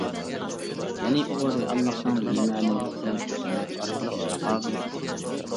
يەنى ئۇ رېئاللىقنىڭ بىمەنىلىكىگە كېسەللىك ئارقىلىق تاقابىل تۇرغان.